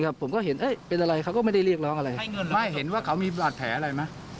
ให้เงินเลยไม่เห็นว่าเขามีบาดแผลอะไรไหม